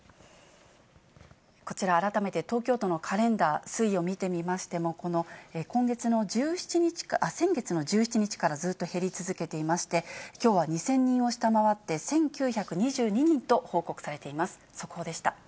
こちら、改めて東京都のカレンダー、推移を見てみましても、この先月の１７日から、ずっと減り続けていまして、きょうは２０００人を下回って１９２２人と報告されています。